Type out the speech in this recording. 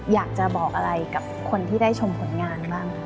อยากจะบอกอะไรกับคนที่ได้ชมผลงานบ้าง